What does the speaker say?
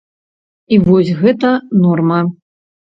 І вось гэта норма.